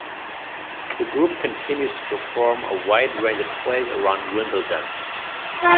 The group continues to perform a wide range of plays around Wimbledon.